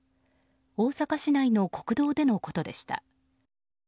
大阪市内の国道でのことでした。